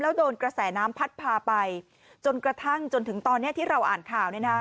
แล้วโดนกระแสน้ำพัดพาไปจนกระทั่งจนถึงตอนนี้ที่เราอ่านข่าวเนี่ยนะ